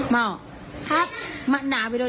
แล้วเขาก็อัดเชื้อ